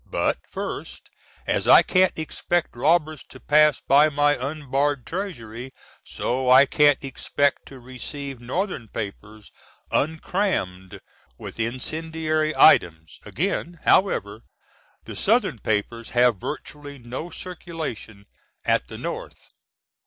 But, first, as I can't expect robbers to pass by my unbarred treasury, so I can't expect to receive Northern papers uncrammed with incendiary items. Again, however, the South^n papers have virtually no circulation at the North.